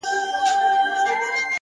اوس مي د هغي دنيا ميـر ويـــده دی.